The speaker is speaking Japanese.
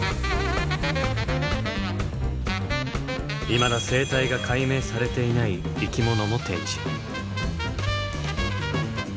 いまだ生態が解明されていない生き物も展示。